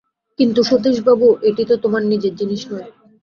কিন্তু সতীশবাবু এটি তো তোমার নিজের জিনিস নয়।